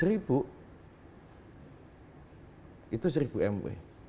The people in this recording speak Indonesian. itu seribu mw